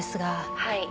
「はい。